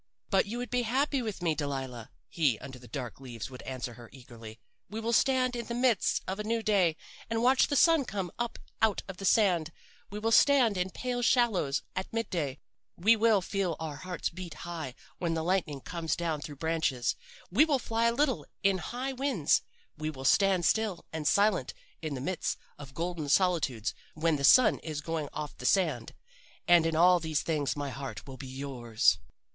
"'But you would be happy with me, Delilah,' he under the dark leaves would answer her eagerly. 'We will stand in the midst of a new day and watch the sun come up out of the sand we will stand in pale shallows at midday we will feel our hearts beat high when the lightnings come down through branches we will fly a little in high winds we will stand still and silent in the midst of golden solitudes when the sun is going off the sand and in all these things my heart will be yours.